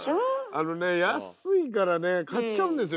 あのね安いからね買っちゃうんですよ。